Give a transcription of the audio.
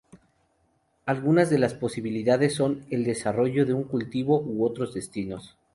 Algunas de las posibilidades son el desarrollo de un cultivo u otros destinos.